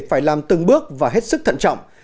phải làm từng bước và hết sức thận trọng